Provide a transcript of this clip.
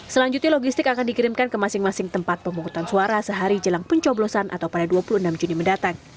selanjutnya logistik akan dikirimkan ke masing masing tempat pemungutan suara sehari jelang pencoblosan atau pada dua puluh enam juni mendatang